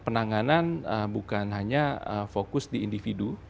penanganan bukan hanya fokus di individu